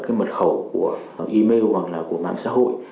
cái mật khẩu của email hoặc là của mạng xã hội